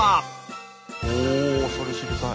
おそれ知りたい。